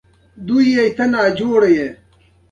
هندوکش د افغانستان په اوږده تاریخ کې ذکر شوی دی.